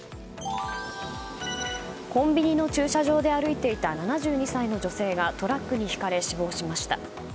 コンビニの駐車場で歩いていた７２歳の女性がトラックにひかれ死亡しました。